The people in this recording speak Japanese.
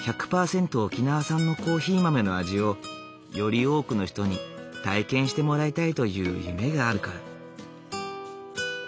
沖縄産のコーヒー豆の味をより多くの人に体験してもらいたいという夢があるから。